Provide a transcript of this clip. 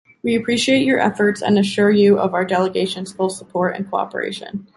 We appreciate your efforts and assure you of our delegation's full support and cooperation.